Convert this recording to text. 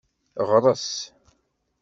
Ɣres.